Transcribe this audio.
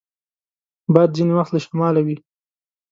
باد ځینې وخت له شماله وي